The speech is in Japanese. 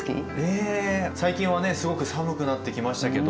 最近はねすごく寒くなってきましたけど。